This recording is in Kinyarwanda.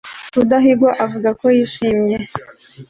rudahigwa avuga ko yishimye